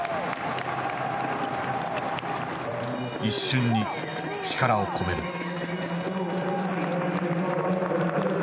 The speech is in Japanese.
一瞬に力を込める。